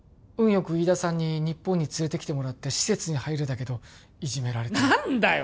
よく飯田さんに日本に連れてきてもらって施設に入れたけどいじめられて何だよ